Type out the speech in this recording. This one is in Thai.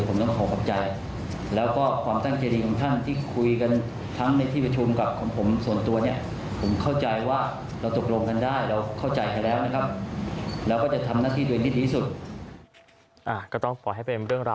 ก็ต้องบอกให้เป็นเรื่องราวของพร้อมเสนอไปทางประวัติศาสตร์